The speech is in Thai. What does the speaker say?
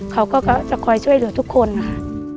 เขาก็จะคอยช่วยเหลือทุกคนค่ะ